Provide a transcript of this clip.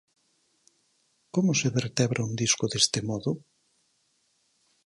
Como se vertebra un disco deste modo?